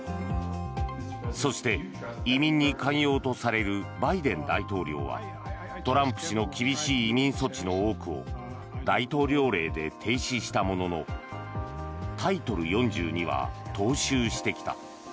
そして、移民に寛容とされるバイデン大統領はトランプ氏の厳しい移民措置の多くを大統領令で停止したもののタイトル４２は踏襲してきた。